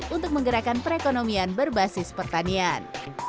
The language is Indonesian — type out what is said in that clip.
untuk menggerakkan perekonomian berbasis pertanian